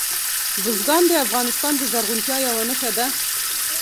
بزګان د افغانستان د زرغونتیا یوه نښه ده.